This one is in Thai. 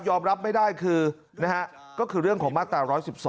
รับไม่ได้คือก็คือเรื่องของมาตรา๑๑๒